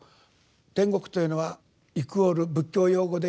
「諂曲」というのはイコール仏教用語で言う「修羅」。